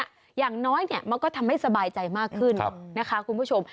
อย่างน้อยเนี่ยมันก็ทำให้สบายใจมากขึ้นนะคะคุณผู้ชม